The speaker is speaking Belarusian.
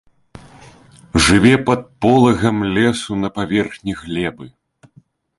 Жыве пад полагам лесу на паверхні глебы.